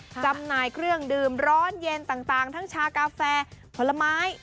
จำหน่ายเครื่องดื่มร้อนเย็นต่างทั้งชากาแฟผลไม้